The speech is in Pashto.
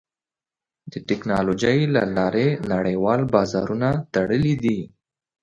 د ټکنالوجۍ له لارې نړیوال بازارونه تړلي دي.